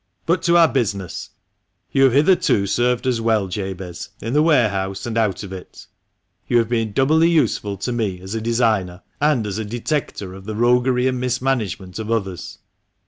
But to our business. — You have hitherto served us well, Jabez, in the warehouse and out of it ; you have been doubly useful to me as a designer and as a detector of the roguery and mismanagement of others.